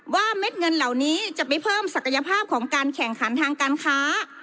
เม็ดเงินเหล่านี้จะไปเพิ่มศักยภาพของการแข่งขันทางการค้า